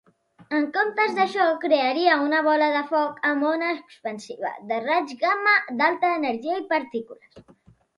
En comptes d'això, crearia una bola de foc amb ona expansiva de raigs gamma d'alta energia i partícules.